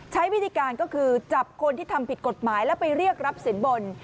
ใช้วิธีการก็คือจับคนที่ทำผิดกฎหมายแล้วไปเรียกรับสินบน